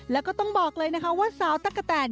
แล้วก็ต้องบอกเลยว่าสาวตะกะแตน